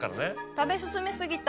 食べ進め過ぎた。